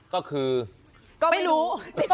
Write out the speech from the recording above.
ก็คือก็ไม่รู้